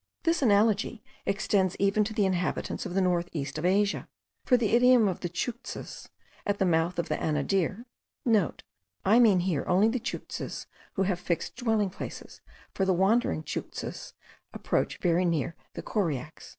This analogy extends even to the inhabitants of the north east of Asia; for the idiom of the Tschouktsches* at the mouth of the Anadir (* I mean here only the Tschouktsches who have fixed dwelling places, for the wandering Tschouktsches approach very near the Koriaks.)